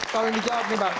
kalau yang dijawab nih bang